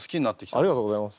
ありがとうございます。